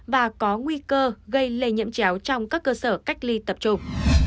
và có nguy cơ gây lây nhiễm chéo trong các cơ sở cách ly tập trung